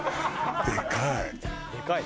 でかい。